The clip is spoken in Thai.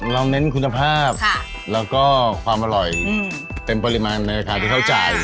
เราเน้นคุณภาพแล้วก็ความอร่อยเต็มปริมาณเลยค่ะที่เข้าใจ